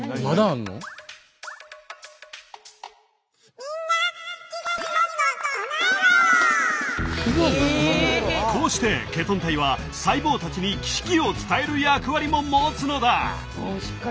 みんなこうしてケトン体は細胞たちに危機を伝える役割も持つのだ。